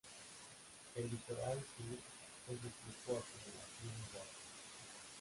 El litoral sur es de tipo acumulativo y bajo.